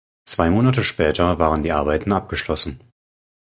Zwei Monate später waren die Arbeiten abgeschlossen.